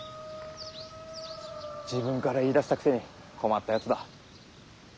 自分から言いだしたくせに困ったやつだ。